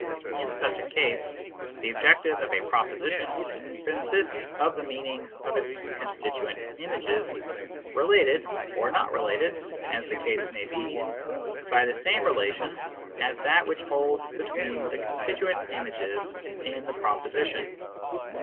In such a case, the objective of a proposition consists of the meanings of its constituent images related (or not related, as the case may be) by the same relation as that which holds between the constituent images in the proposition.